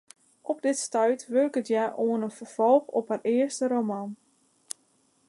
Op dit stuit wurket hja oan in ferfolch op har earste roman.